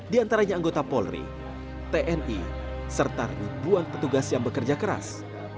di antaranya anggota polri tni serta ribuan petugas yang bekerja keras